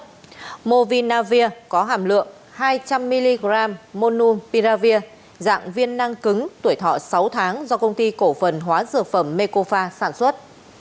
và monupiravir có hàm lượng hai trăm linh mg monupiravir dạng viên năng cứng tuổi thọ sáu tháng do công ty cổ phần hóa dược phẩm mekofa sản xuất